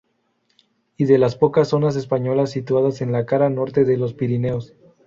Y de las pocas zonas españolas situadas en la cara norte de los Pirineos.